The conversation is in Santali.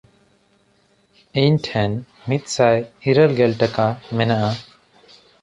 ᱤᱧ ᱴᱷᱮᱱ ᱢᱤᱫᱥᱟᱭ ᱤᱨᱟᱹᱞ ᱜᱮᱞ ᱴᱟᱠᱟ ᱢᱮᱱᱟᱜᱼᱟ᱾